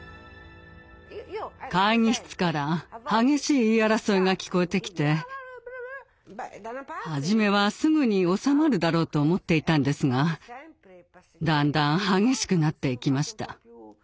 会議室から激しい言い争いが聞こえてきて初めはすぐに収まるだろうと思っていたんですがだんだん激しくなっていきました。